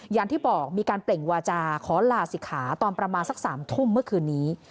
อย่างที่บอกมีการเปล่งวาจาขอลาศิกขาตอนประมาณสัก๓ทุ่มเมื่อคืนนี้